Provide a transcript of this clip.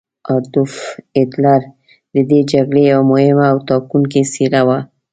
اډولف هیټلر د دې جګړې یوه مهمه او ټاکونکې څیره وه.